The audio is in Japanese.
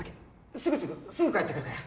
すぐすぐ、すぐ帰ってくるから。